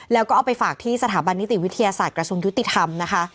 แล้วก็เอาไปฝากที่สถาบันนิติวิทยาศาสตร์กระทรวงยุติธรรมนะคะ